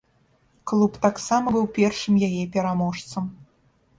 Клуб таксама быў першым яе пераможцам.